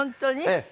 ええ。